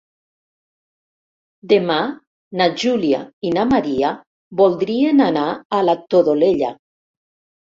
Demà na Júlia i na Maria voldrien anar a la Todolella.